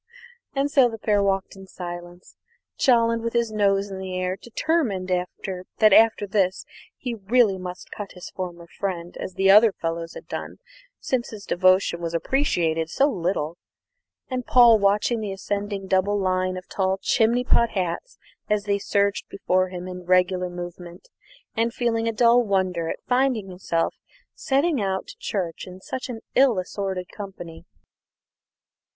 And so the pair walked on in silence; Jolland with his nose in the air, determined that after this he really must cut his former friend as the other fellows had done, since his devotion was appreciated so little, and Paul watching the ascending double line of tall chimney pot hats as they surged before him in regular movement, and feeling a dull wonder at finding himself setting out to church in such ill assorted company.